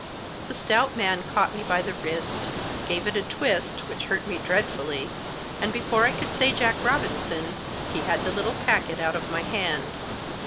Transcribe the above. The stout man caught me by the wrist, gave it a twist, which hurt me dreadfully, and, before I could say Jack Robinson, he had the little packet out of my hand.